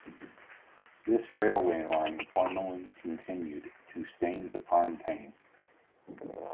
This railway line formerly continued to Staines-upon-Thames.